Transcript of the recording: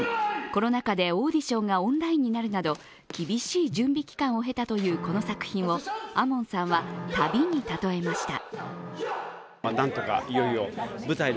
コロナ禍でオーディションがオンラインになるなど厳しい準備期間を経たというこの作品を亞門さんは、旅に例えました。